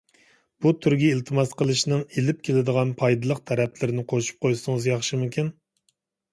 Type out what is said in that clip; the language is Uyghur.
بۇ تۈرگە ئىلتىماس قىلىشنىڭ ئېلىپ كېلىدىغان پايدىلىق تەرەپلىرىنى قوشۇپ قويسىڭىز ياخشىمىكىن.